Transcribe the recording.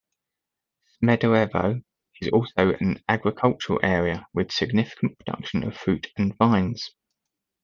Smederevo is also an agricultural area, with significant production of fruit and vines.